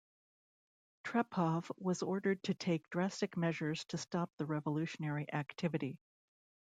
Trepov was ordered to take drastic measures to stop the revolutionary activity.